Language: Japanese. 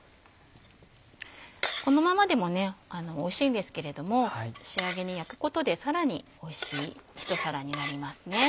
このままでもおいしいんですけれども仕上げに焼くことでさらにおいしい一皿になります。